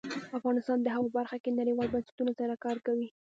افغانستان د هوا په برخه کې نړیوالو بنسټونو سره کار کوي.